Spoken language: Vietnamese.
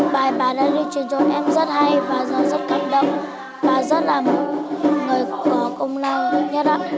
bài bài đã đi truyền cho em rất hay và rất cảm động và rất là một người có công năng nhất á